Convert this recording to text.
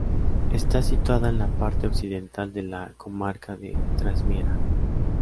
Está situada en la parte occidental de la comarca de Trasmiera.